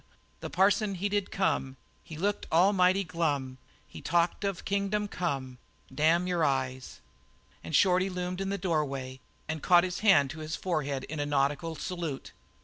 The parson he did come, He looked almighty glum, He talked of kingdom come . Damn your eyes!" Shorty loomed in the doorway and caught his hand to his forehead in a nautical salute.